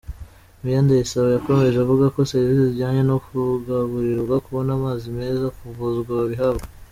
Meya Ndayisaba yakomeje avuga ko serivisi zijyanye no kugaburirwa, kubona amazi meza, kuvuzwa babihabwa.